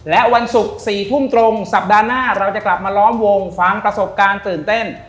และวันศุกร์๔ทุ่มตรงสัปดาห์หน้าเราจะกลับมาล้อมวงฟังประสบการณ์ตื่นเต้น